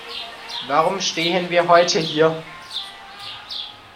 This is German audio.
Warum stehen wir heute hier?